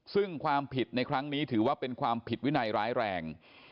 ซึ่งความผิดในครั้งนี้ถือว่าเป็นความผิดวินัยร้ายแรง